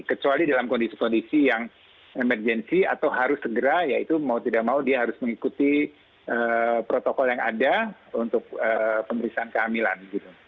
kecuali dalam kondisi kondisi yang emergensi atau harus segera ya itu mau tidak mau dia harus mengikuti protokol yang ada untuk pemeriksaan kehamilan